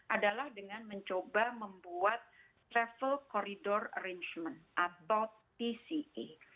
adalah dengan mencoba membuat travel corridor arrangement atau tce